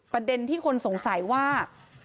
ประเด็นที่คนสงสัยว่า